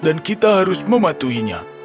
dan kita harus mematuhinya